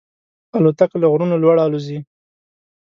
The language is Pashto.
الوتکه له غرونو لوړ الوزي.